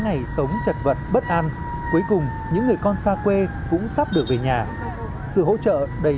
ngày sống chật vật bất an cuối cùng những người con xa quê cũng sắp được về nhà sự hỗ trợ đầy